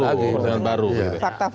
fakta fakta baru dari tpf